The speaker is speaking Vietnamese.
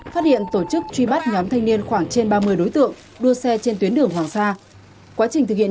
phát hiện tổ chức truy bắt nhóm thanh niên khoảng trên ba mươi đối tượng đua xe trên tuyến đường hoàng sa